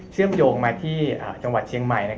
เชื่อมโยงมาที่จังหวัดเชียงใหม่